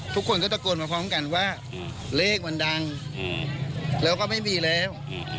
ทุกคนก็ตะโกนมาพร้อมกันว่าเลขมันดังแล้วก็ไม่มีแล้ว